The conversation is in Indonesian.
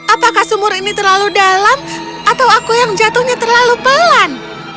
apakah sumur ini terlalu dalam atau aku yang jatuhnya terlalu pelan